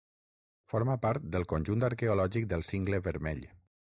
Forma part del conjunt arqueològic del Cingle Vermell.